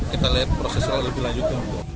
kita lihat proses lebih lanjut